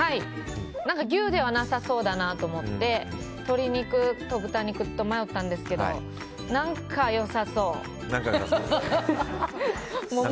牛ではなさそうだなと思って鶏肉と豚肉と迷ったんですが何か良さそう。